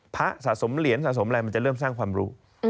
สะสมเหรียญสะสมอะไรมันจะเริ่มสร้างความรู้